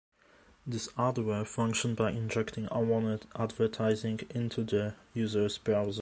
This adware function by injecting unwanted advertising into the users' browser.